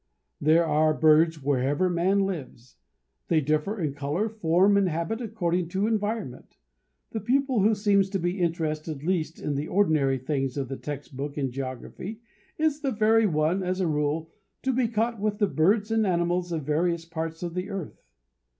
There are birds wherever man lives. They differ in color, form, and habit according to environment. The pupil who seems to be interested least in the ordinary things of the text book in geography is the very one, as a rule, to be caught with the birds and animals of the various parts of the earth.